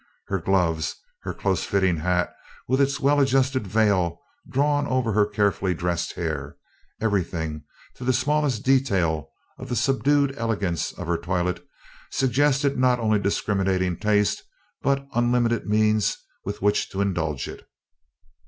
Her gloves, her close fitting hat with its well adjusted veil drawn over her carefully dressed hair everything, to the smallest detail of the subdued elegance of her toilette suggested not only discriminating taste but unlimited means with which to indulge it.